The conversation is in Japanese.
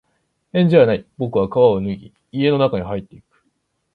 返事はない。僕は靴を脱ぎ、家の中に入っていく。